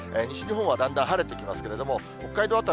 西日本はだんだん晴れてきますけれども、北海道